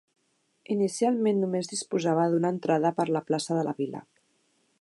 Inicialment només disposava d'una entrada per la plaça de la Vila.